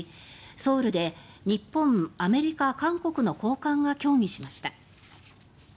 ソウルで日本、アメリカ、韓国の高官が協議しました。